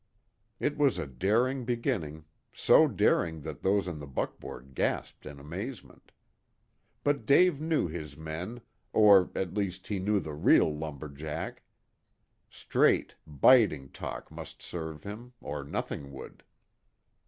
It was a daring beginning, so daring that those in the buckboard gasped in amazement. But Dave knew his men, or, at least, he knew the real lumber jack. Straight, biting talk must serve him, or nothing would.